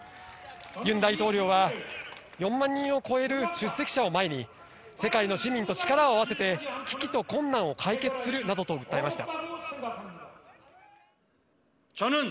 ユン大統領は４万人を超える出席者を前に世界の市民と力を合わせて危機と困難を解決するなどと訴えました。